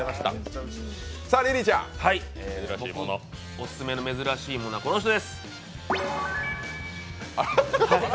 オススメの珍しいものはこの人です。